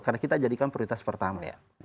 karena kita jadikan prioritas pertama